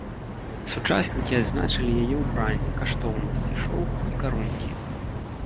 Сучаснікі адзначылі яе ўбранне, каштоўнасці, шоўк і карункі.